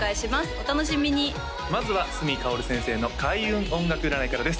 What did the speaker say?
お楽しみにまずは角かおる先生の開運音楽占いからです